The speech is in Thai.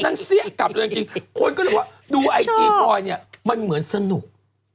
นังเซี่ยกับจริงคนก็ดูไอ้กี้ปอยมันเหมือนสนุก